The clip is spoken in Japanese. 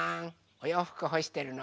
おようふくほしてるの？